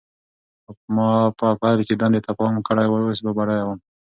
که ما په پیل کې دندې ته پام کړی وای، اوس به بډایه وم.